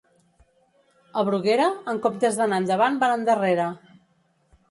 A Bruguera, en comptes d'anar endavant, van endarrere.